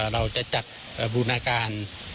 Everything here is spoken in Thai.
เราจะจัดบูรณาการ